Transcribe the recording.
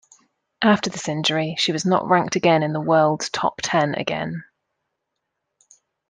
After this injury, she was not ranked again in the world's top ten again.